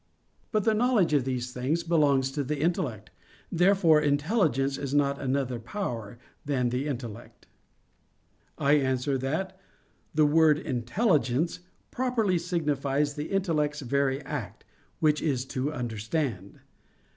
But the knowledge of these things belongs to the intellect. Therefore intelligence is not another power than the intellect. I answer that, This word "intelligence" properly signifies the intellect's very act, which is to understand.